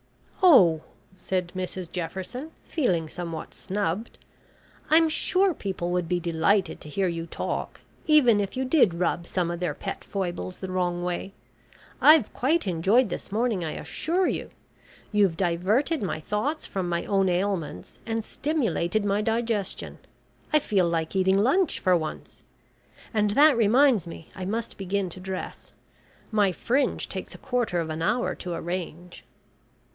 "Oh!" said Mrs Jefferson, feeling somewhat snubbed. "I'm sure people would be delighted to hear you talk, even if you did rub some of their pet foibles the wrong way. I've quite enjoyed this morning, I assure you. You've diverted my thoughts from my own ailments, and stimulated my digestion. I feel like eating lunch for once. And that reminds me I must begin to dress. My fringe takes a quarter of an hour to arrange."